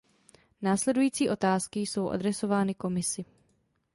Následující otázky jsou adresovány Komisi.